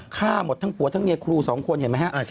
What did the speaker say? ฆ่าหมดทั้งผัวทั้งเมียครูสองคนเห็นไหมฮะ